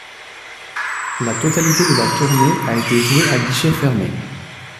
La totalité de la tournée a été jouée à guichets fermés.